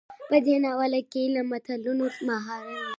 په دې ناول کې له متلونو، محاورو،